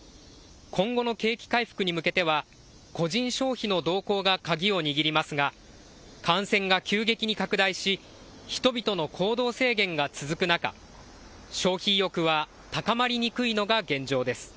今後の景気回復に向けては個人消費の動向が鍵を握りますが感染が急激に拡大し、人々の行動制限が続く中、消費意欲は高まりにくいのが現状です。